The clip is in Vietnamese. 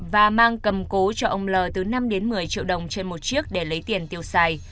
và mang cầm cố cho ông l từ năm đến một mươi triệu đồng trên một chiếc để lấy tiền tiêu xài